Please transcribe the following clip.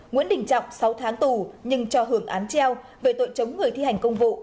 nguyễn đình trọng sáu tháng tù nhưng cho hưởng án treo về tội chống người thi hành công vụ